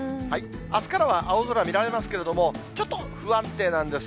あすからは青空見られますけれども、ちょっと不安定なんです。